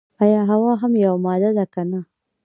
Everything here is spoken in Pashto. ایا هوا هم یوه ماده ده که نه.